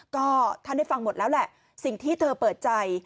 ก็ท่านได้ฟังหมดแล้วแหละสิ่งที่เธอเปิดใจ